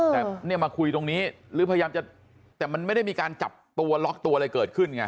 แต่เนี่ยมาคุยตรงนี้หรือพยายามจะแต่มันไม่ได้มีการจับตัวล็อกตัวอะไรเกิดขึ้นไง